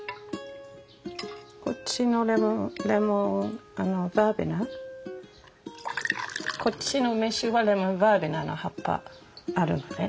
こっちのレモンバーベナこっちの梅酒はレモンバーベナの葉っぱあるのね。